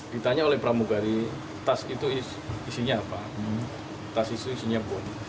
ditanya oleh promugari tas itu isinya apa tas itu isinya bom